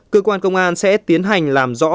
cơ quan công an sẽ tiến hành làm rõ